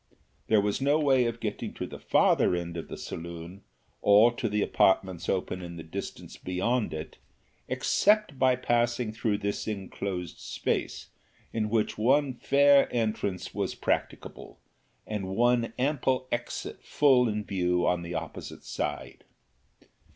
There was no way of getting to the further end of the saloon, or to the apartments open in the distance beyond it, except by passing through this enclosed space, in which one fair entrance was practicable, and one ample exit full in view on the opposite side.